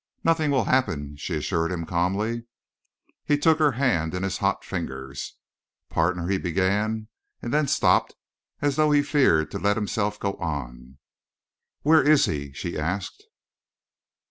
"Nothing will happen," she assured him calmly. He took her hand in his hot fingers. "Partner" he began, and then stopped as though he feared to let himself go on. "Where is he?" she asked.